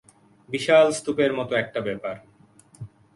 বিশাল স্তুপের মতো একটা ব্যাপার।